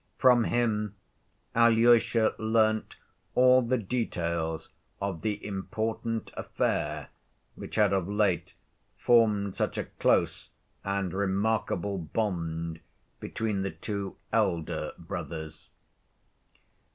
From him Alyosha learnt all the details of the important affair which had of late formed such a close and remarkable bond between the two elder brothers.